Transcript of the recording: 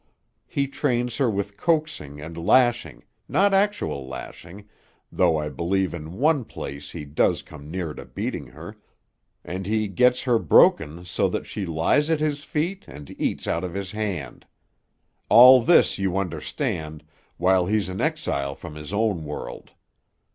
He trains her with coaxing and lashing not actual lashing, though I believe in one place he does come near to beating her and he gets her broken so that she lies at his feet and eats out of his hand. All this, you understand, while he's an exile from his own world.